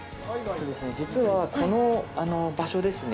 実はこの場所ですね